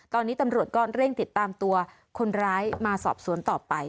ตอนนี้ตำรวจก็เร่งติดตามตัวคนร้ายมาสอบสวนต่อไป